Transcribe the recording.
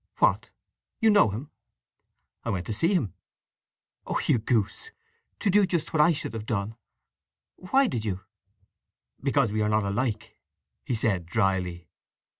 "What—you know him?" "I went to see him." "Oh, you goose—to do just what I should have done! Why did you?" "Because we are not alike," he said drily.